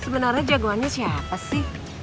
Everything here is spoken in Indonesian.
sebenarnya jagoannya siapa sih